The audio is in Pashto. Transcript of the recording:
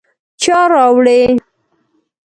_چا راوړې ؟